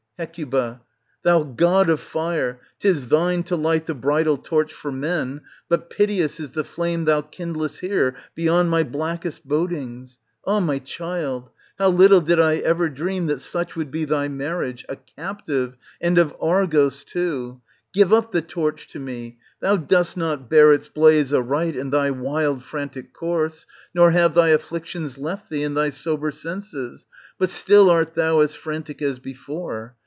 Hec. Thou god of fire, 'tis thine to light the bridal torch for men, but piteous is the flame thou kindlest here, beyond my blackest bodings. Ah, my child ! how little did I ever dream that such would be thy marriage, a captive, and of Argos too ! Give up the torch to me ; thou dost not bear its blaze aright in thy wild frantic course, nor have thy afflic tions left thee in thy sober senses,^ but still art thou as frantic as before.